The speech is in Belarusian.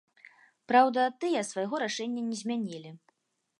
Праўда, тыя свайго рашэння не змянілі.